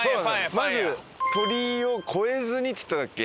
まず鳥居を越えずにっつってたっけ？